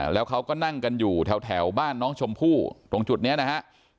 แล้วเขาก็นั่งกันอยู่แถวบ้านน้องชมพู่ตรงจุดนี้นะฮะ